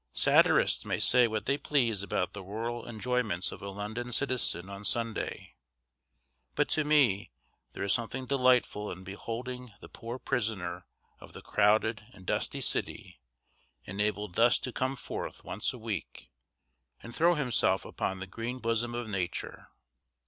Satirists may say what they please about the rural enjoyments of a London citizen on Sunday, but to me there is something delightful in beholding the poor prisoner of the crowded and dusty city enabled thus to come forth once a week and throw himself upon the green bosom of nature.